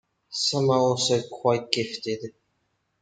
Some are also quite gifted.